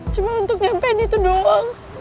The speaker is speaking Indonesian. cuma untuk nyampein itu doang